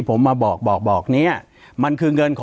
ปากกับภาคภูมิ